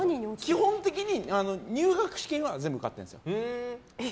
基本的に入学試験は全部受かってるんですよ。